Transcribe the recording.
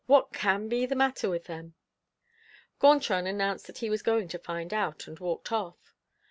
What can be the matter with them?" Gontran announced that he was going to find out, and walked off.